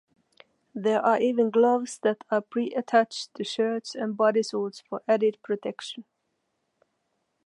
There are even gloves that are pre-attached to shirts and bodysuits for added protection.